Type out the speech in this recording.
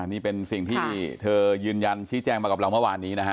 นี่เป็นสิ่งที่เธอยืนยันชี้แจ้งมากับเราเมื่อวานนี้นะฮะ